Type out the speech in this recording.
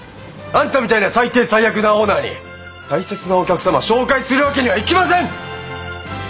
あんたみたいな最低最悪なオーナーに大切なお客様紹介するわけにはいきません！